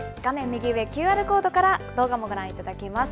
右上、ＱＲコードから動画もご覧いただけます。